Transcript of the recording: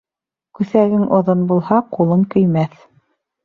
Күҫәгең оҙон булһа, ҡулың көймәҫ.